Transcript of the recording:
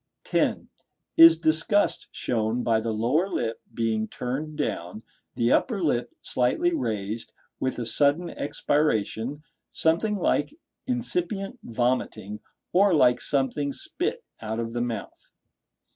(10) Is disgust shown by the lower lip being turned down, the upper lip slightly raised, with a sudden expiration, something like incipient vomiting, or like something spit out of the mouth?